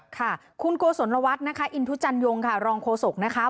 ค่ะคุณโกศลวัฒน์นะคะอินทุจันยงค่ะรองโฆษกนะคะ